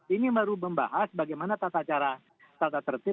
ini baru membahas bagaimana tata tertib